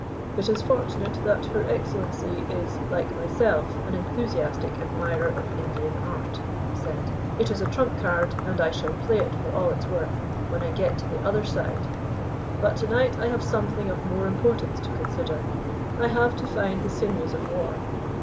"It is fortunate that Her Excellency is, like myself, an enthusiastic admirer of Indian art," he said. "It is a trump card, and I shall play it for all it's worth when I get to the other side. But to night I have something of more importance to consider. I have to find the sinews of war.